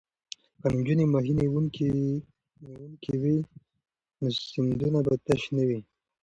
که نجونې ماهي نیونکې وي نو سیندونه به تش نه وي.